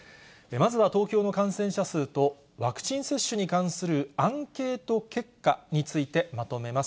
まずは東京の感染者数と、ワクチン接種に関するアンケート結果についてまとめます。